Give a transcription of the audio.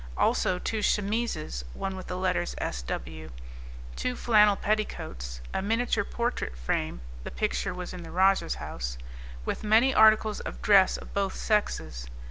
also two chemises, one with the letters S.W.; two flannel petticoats, a miniature portrait frame (the picture was in the rajah's house,) with many articles of dress of both sexes.